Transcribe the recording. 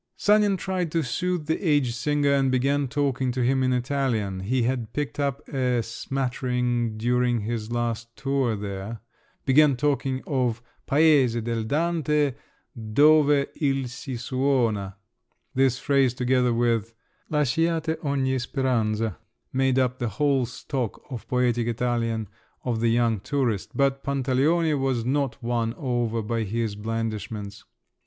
Sanin tried to soothe the aged singer and began talking to him in Italian—(he had picked up a smattering during his last tour there)—began talking of "paese del Dante, dove il si suona." This phrase, together with "Lasciate ogni speranza," made up the whole stock of poetic Italian of the young tourist; but Pantaleone was not won over by his blandishments.